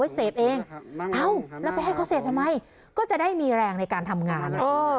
เสพเองเอ้าแล้วไปให้เขาเสพทำไมก็จะได้มีแรงในการทำงาน